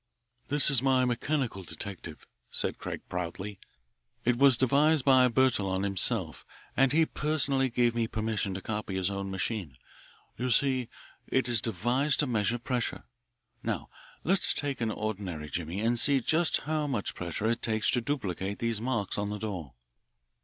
"This is my mechanical detective," said Craig proudly. "It was devised by Bertillon himself, and he personally gave me permission to copy his own machine. You see, it is devised to measure pressure. Now let's take an ordinary jimmy and see just how much pressure it takes to duplicate those marks on this door."